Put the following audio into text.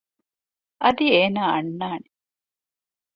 އަދި އޭނާ އަންނާނެ